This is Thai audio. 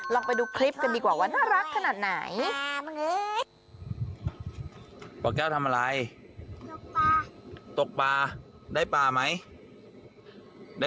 ลองไปดูคลิปกันดีกว่าว่าน่ารักขนาดไหน